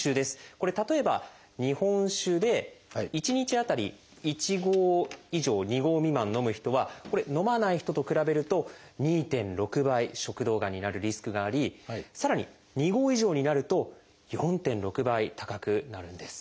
これ例えば日本酒で１日当たり１合以上２合未満飲む人はこれ飲まない人と比べると２．６倍食道がんになるリスクがありさらに２合以上になると４．６倍高くなるんです。